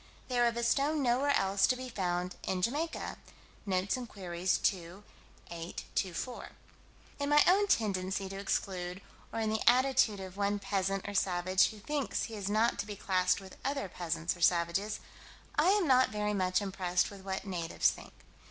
"They are of a stone nowhere else to be found in Jamaica." (Notes and Queries, 2 8 24.) In my own tendency to exclude, or in the attitude of one peasant or savage who thinks he is not to be classed with other peasants or savages, I am not very much impressed with what natives think.